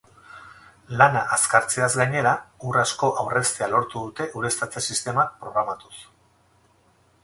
Lana azkartzeaz gainera, ur asko aurreztea lortu dute ureztatze-sistemak programatuz.